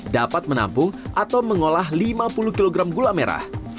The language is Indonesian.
dapat menampung atau mengolah lima puluh kg gula merah